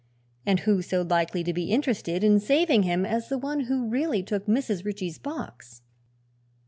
And who so likely to be interested in saving him as the one who really took Mrs. Ritchie's box?"